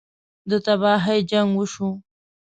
ده تباهۍ جـنګ وشو.